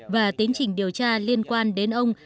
và tiến trình điều tra liên quan đến ông